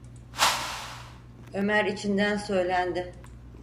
Ömer içinden söylendi: